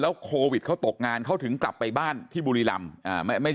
โควิดเขาตกงานเขาถึงกลับไปบ้านที่บุรีรำ